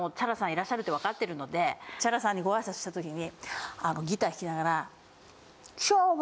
いらっしゃるってわかってるのでＣＨＡＲＡさんにご挨拶した時にギター弾きながら。